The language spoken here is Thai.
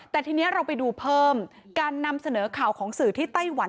แต่ทีนี้เราไปดูเพิ่มการนำเสนอข่าวของสื่อที่ไต้หวัน